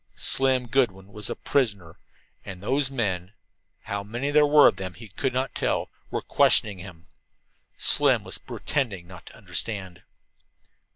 Slim Goodwin was a prisoner, and those men how many there were of them he could not tell were questioning him! Slim was pretending not to understand.